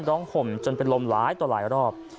ห่มจนเป็นลมหลายต่อหลายรอบ